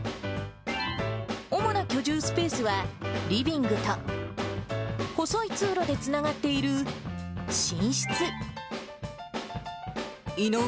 主な居住スペースは、リビングと細い通路でつながっている寝室。